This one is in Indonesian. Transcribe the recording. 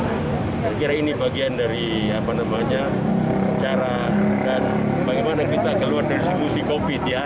kira kira ini bagian dari cara dan bagaimana kita keluar dari sekusi covid sembilan belas